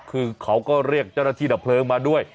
คือเขาก็เรียกเจ้าหน้าที่ดับเพลิงมาด้วย